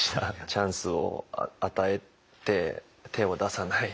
チャンスを与えて手を出さない。